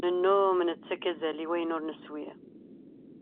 Nennum nettakk azal i wayen ur neswi.